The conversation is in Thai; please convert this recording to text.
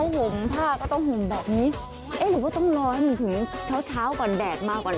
หุ่มผ้าก็ต้องหุ่มแบบนี้เอ้ยหรือว่าต้องรอนถึงเช้าก่อนแดดมาก่อน